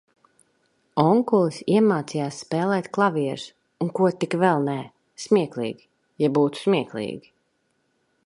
Onkulis iemācījās spēlēt klavieres un ko tik vēl nē, smieklīgi, ja būtu smieklīgi.